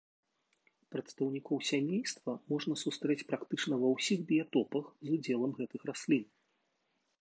Прадстаўнікоў сямейства можна сустрэць практычна ва ўсіх біятопах з удзелам гэтых раслін.